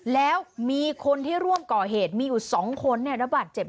แล้วมีคนที่ร่วมก่อเหตุมีอยู่๒คนระบาดเจ็บ